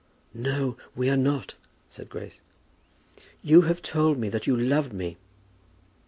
"No, we are not," said Grace. "You have told me that you loved me."